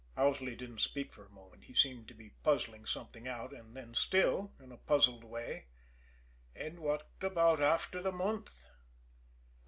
Owsley didn't speak for a moment, he seemed to be puzzling something out; then, still in a puzzled way: "And then what about after the month?"